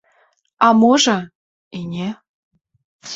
А можа, і не.